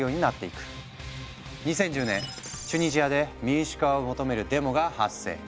２０１０年チュニジアで民主化を求めるデモが発生。